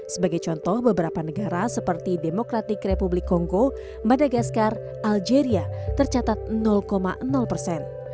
sebagai contoh beberapa negara seperti demokratik republik kongo madagaskar algeria tercatat persen